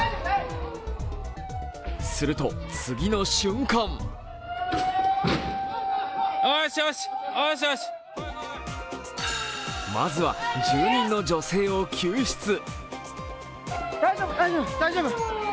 すると、次の瞬間まずは住人の女性を救出。